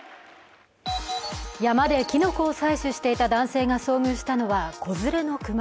山できのこを採取していた男性が遭遇したのは子連れの熊。